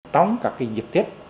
tổng cả cái dịp tết